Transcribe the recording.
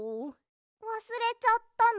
わすれちゃったの？